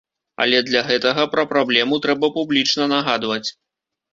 Але для гэтага пра праблему трэба публічна нагадваць.